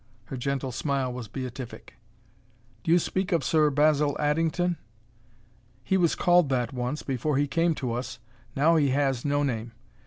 Her gentle smile was beatific. "Do you speak of Sir Basil Addington?" "He was called that once, before he came to us. Now he has no name.